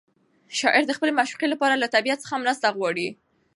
شاعر د خپلې معشوقې لپاره له طبیعت څخه مرسته غواړي.